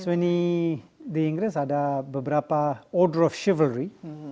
jadi ini di inggris ada beberapa order of chivalry